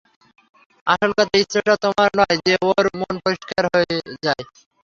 আসল কথা, ইচ্ছেটা তোমার নয় যে ওর মন পরিষ্কার হয়ে যায়।